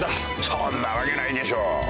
そんなわけないでしょう。